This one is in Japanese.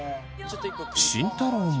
慎太郎も。